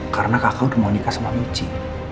karena kakak udah mau nikah sama michi